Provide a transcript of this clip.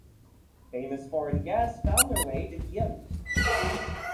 Famous foreign guests found their way to Ghent.